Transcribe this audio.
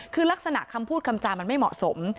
คือลักษณะคำพูดคำจามันไม่เหมาะสม